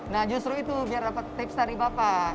nah justru itu biar dapat tips dari bapak